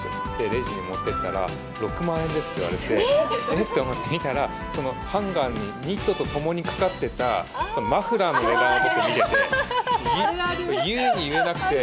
レジに持っていったら、６万円ですって言われて、え？と思って見たら、そのハンガーに、ニットと共にかかってたマフラーの値段を見てて。